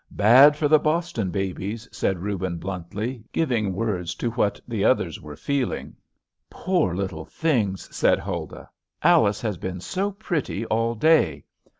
"Bad for the Boston babies," said Reuben bluntly, giving words to what the others were feeling. "Poor little things!" said Huldah, "Alice has been so pretty all day."